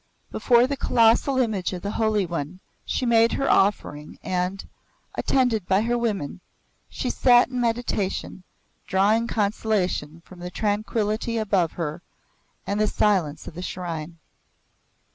Before the colossal image of the Holy One she made her offering and, attended by her women, she sat in meditation, drawing consolation from the Tranquillity above her and the silence of the shrine.